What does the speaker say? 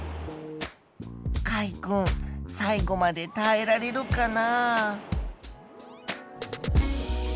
かいくん最後までたえられるかな？